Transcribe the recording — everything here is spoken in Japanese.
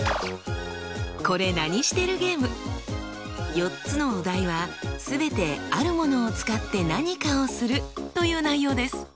４つのお題は全てあるものを使って何かをするという内容です。